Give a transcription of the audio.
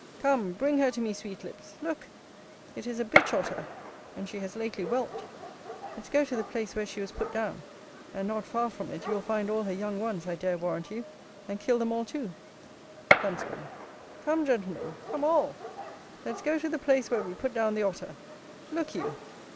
Come bring her to me, Sweetlips. Look! it is a Bitch otter, and she has lately whelp'd. Let's go to the place where she was put down; and, not far from it, you will find all her young ones, I dare warrant you, and kill them all too. Huntsman. Come, Gentlemen! come, all! let's go to the place where we put down the Otter. Look you!